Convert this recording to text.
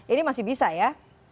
ini masih bisa ya